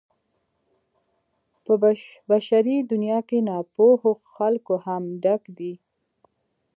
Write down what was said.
په بشري دنيا کې ناپوهو خلکو هم ډک دی.